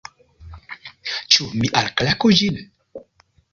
Ĉu mi alklaku ĝin?